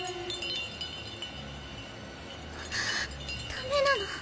ダメなの。